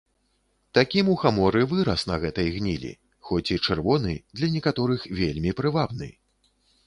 Такі мухамор і вырас на гэтай гнілі, хоць і чырвоны, для некаторых вельмі прывабны.